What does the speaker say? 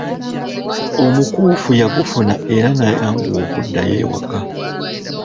Omukuufu yagufuna era n'ayanguwa okuddayo ewaka.